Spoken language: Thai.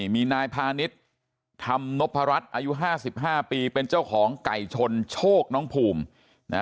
มีนายพาณิชย์ธรรมนพรัชอายุ๕๕ปีเป็นเจ้าของไก่ชนโชคน้องภูมินะ